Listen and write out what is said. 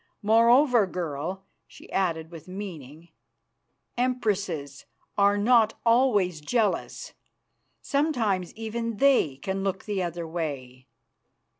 Moreover, girl," she added with meaning, "empresses are not always jealous; sometimes even they can look the other way.